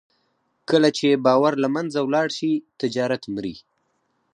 کله چې باور له منځه ولاړ شي، تجارت مري.